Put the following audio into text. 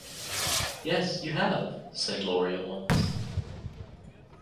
"Yes, you have," said Laurie at once.